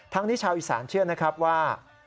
ทั้งที่ชาวอิสานเชื่อนะครับว่า